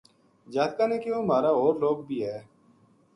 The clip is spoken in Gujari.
جاتکاں نے کہیو مھارا ہور لوک بھی ہے۔